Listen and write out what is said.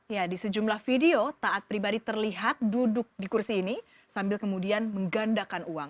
ya di sejumlah video taat pribadi terlihat duduk di kursi ini sambil kemudian menggandakan uang